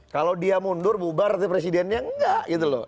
kalau dia mundur bubar artinya presidennya nggak gitu loh